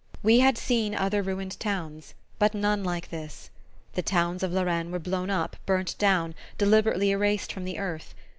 We had seen other ruined towns, but none like this. The towns of Lorraine were blown up, burnt down, deliberately erased from the earth.